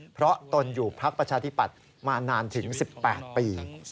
เพราะตนอยู่พักประชาธิปัตย์มานานถึง๑๘ปี